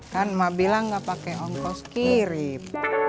kan mak bilang enggak pakai omkos kirim